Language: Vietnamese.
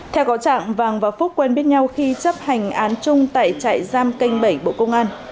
theo có trạng vàng và phúc quen biết nhau khi chấp hành án chung tại trại giam kênh bảy bộ công an